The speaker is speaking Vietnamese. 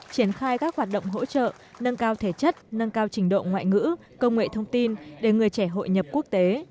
triển khai các hoạt động hỗ trợ nâng cao thể chất nâng cao trình độ ngoại ngữ công nghệ thông tin để người trẻ hội nhập quốc tế